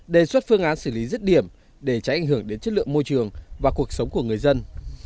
đề xuất phương án xử lý rứt điểm để tránh ảnh hưởng đến chất lượng môi trường và cuộc sống của người dân